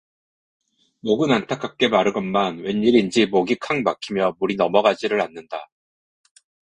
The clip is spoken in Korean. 목은 안타깝게 마르건만 웬일인지 목이 칵 막히며 물이 넘어가지를 않는다.